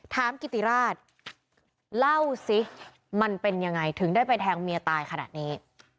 กิติราชเล่าสิมันเป็นยังไงถึงได้ไปแทงเมียตายขนาดนี้